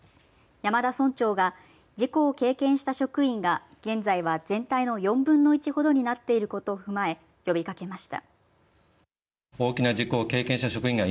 山田村長が事故を経験した職員が現在は全体の４分の１ほどになっていることを踏まえ呼びかけました。